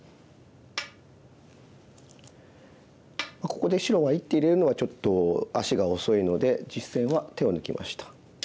ここで白が一手入れるのはちょっと足が遅いので実戦は手を抜きました。